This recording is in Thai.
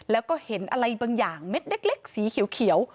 แล้วก็เห็นอะไรบางอย่างเม็ดเล็กสีเขียว